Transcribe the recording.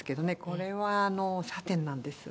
これはサテンなんです。